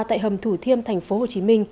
tại hầm thủ thiêm tp hcm